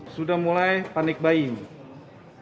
sudah mulai panik banget